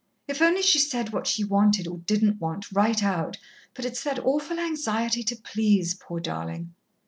If only she said what she wanted or didn't want, right out, but it's that awful anxiety to please poor darling."